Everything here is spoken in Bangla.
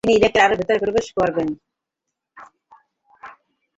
তিনি ইরাকের আরো ভেতরে প্রবেশ করেন।